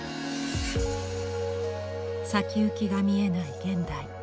先行きが見えない現代。